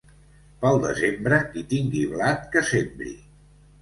Pel desembre, qui tingui blat que sembri.